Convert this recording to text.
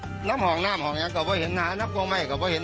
ดีน้ำหองต้องเป็นแรงแรง